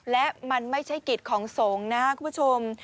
และมันไม่ใช่กิจของสงฆ์นะครับคุณผู้ชม